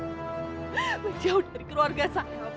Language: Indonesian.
menjauh dari keluarga saya